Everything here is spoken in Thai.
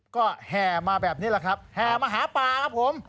ก็แห่มาแบบนี้แหละครับแห่มาหาปลาครับผม